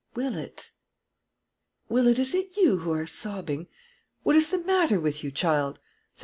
"Willet, Willett, is it you who are sobbing? What is the matter with you, child?"